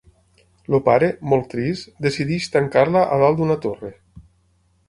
El pare, molt trist, decideix tancar-la a dalt d'una torre.